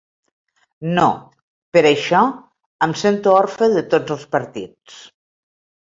No, per això em sento orfe de tots els partits.